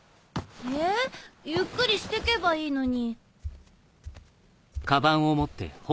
えゆっくりしてけばいいのに。